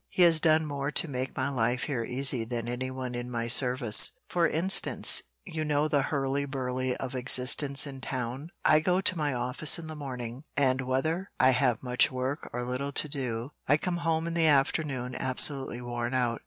"He has done more to make my life here easy than any one in my service. For instance, you know the hurly burly of existence in town. I go to my office in the morning, and whether I have much work or little to do, I come home in the afternoon absolutely worn out.